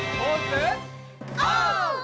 オー！